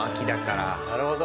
なるほど。